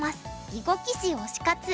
囲碁棋士推し活」。